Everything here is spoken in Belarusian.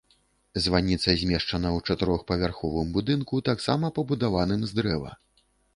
Званіца змешчана ў чатырохпавярховым будынку, таксама пабудаваным з дрэва.